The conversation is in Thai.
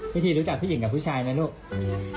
พี่ทีรู้จักผู้หญิงและผู้ชายนะลูก